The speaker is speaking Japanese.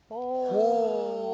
ほう。